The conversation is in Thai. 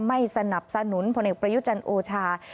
ไม่สนับสนุนพลเอกประยุจันทร์โอชา